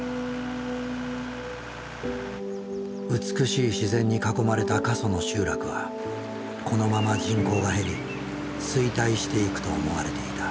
美しい自然に囲まれた過疎の集落はこのまま人口が減り衰退していくと思われていた。